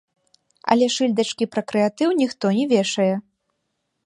Але шыльдачкі пра крэатыў ніхто не вешае.